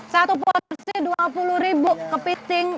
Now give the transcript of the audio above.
satu porsi dua puluh ribu kepiting